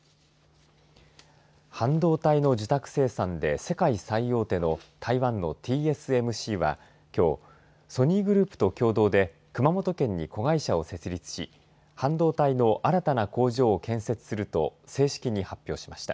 半導体の受託生産で世界最大手の台湾のＴＳＭＣはきょう、ソニーグループと共同で熊本県に子会社を設立し半導体の新たな工場を建設すると正式に発表しました。